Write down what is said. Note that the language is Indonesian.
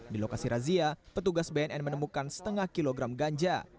di lokasi razia petugas bnn menemukan setengah kilogram ganja